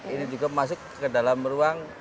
ini juga masuk ke dalam ruang